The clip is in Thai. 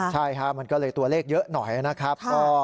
ใช่ฮะมันก็เลยตัวเลขเยอะหน่อยนะครับ